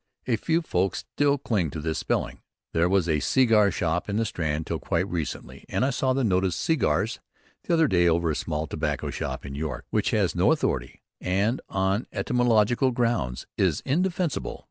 A few folk still cling to this spelling there was a "segar shop" in the Strand till quite recently, and I saw the notice "segars" the other day over a small tobacco shop in York which has no authority, and on etymological grounds is indefensible.